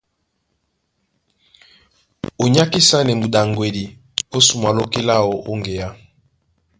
Ó nyákisanɛ muɗaŋgwedi ó sumwa lóki láō ó ŋgeá.